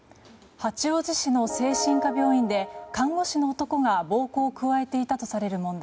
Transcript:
八王子市の精神科病院で看護師の男が暴行を加えていたとされる問題。